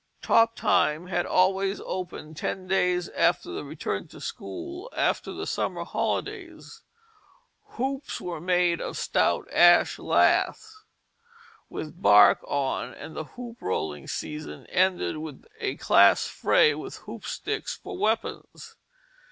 Top time had always opened ten days after the return to school after the summer holidays. Hoops were made of stout ash laths with the bark on, and the hoop rolling season ended with a class fray with hoopsticks for weapons.